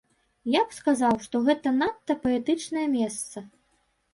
Я б сказаў, што гэта надта паэтычнае месца.